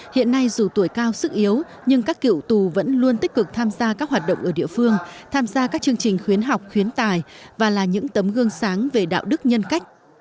hiện nay dù tuổi cao sức yếu nhưng các kiểu tù vẫn luôn tích cực tham gia các hoạt động ở địa phương tham gia các chương trình khuyến học khuyến tài và là những tấm gương sáng về đạo đức nhân cách